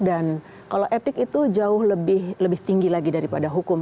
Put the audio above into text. dan kalau etik itu jauh lebih tinggi lagi daripada hukum